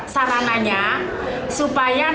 supaya saya bisa mencari